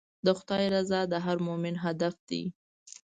د خدای رضا د هر مؤمن هدف دی.